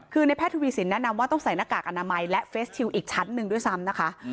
คือในแพทย์ทวีสินแนะนำว่าต้องใส่หน้ากากอนามัยและเฟสชิลอีกชั้นหนึ่งด้วยซ้ำนะคะ